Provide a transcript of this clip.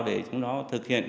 để chúng nó thực hiện